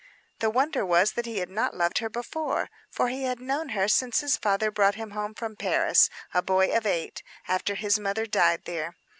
The wonder was that he had not loved her before; for he had known her since his father brought him home from Paris, a boy of eight, after his mother died there.